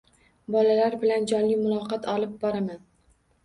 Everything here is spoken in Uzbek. Bolalar bilan jonli muloqot olib boraman.